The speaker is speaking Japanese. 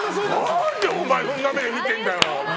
何でお前そんな目で見てるんだよ！